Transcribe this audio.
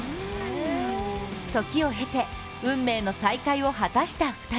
時を経て運命の再会を果たした２人。